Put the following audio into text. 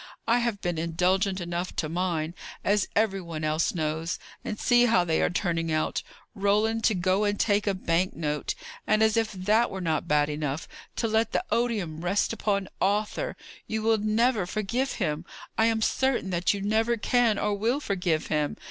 I have been indulgent enough to mine, as every one else knows; and see how they are turning out! Roland to go and take a bank note! And, as if that were not bad enough, to let the odium rest upon Arthur! You will never forgive him! I am certain that you never can or will forgive him!